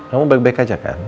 kamu baik baik aja kan